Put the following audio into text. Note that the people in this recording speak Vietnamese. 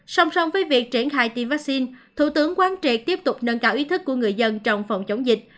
song song với việc triển khai tiêm vaccine thủ tướng quán triệt tiếp tục nâng cao ý thức của người dân trong phòng chống dịch